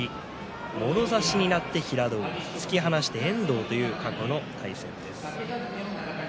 もろ差しになって平戸海突き放して遠藤という過去の対戦です。